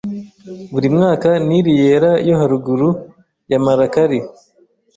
Buri mwakaNili Yera yo haruguru ya Malakali